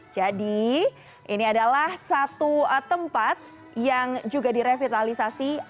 jadi ini adalah satu tempat yang juga direvitalisasi